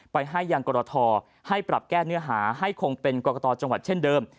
ไปให้ยังกรทให้ปรับแก้เนื้อหาให้คงเป็นกรกตจังหวัดเช่นเดิม